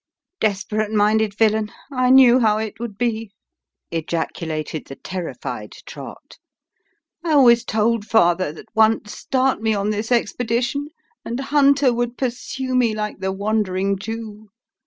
" Desperate minded villain ! I knew how it would be !" ejaculated the terrified Trott. " I always told father, that once start me on this expedition, and Hunter would pursue me like the Wandering Jew.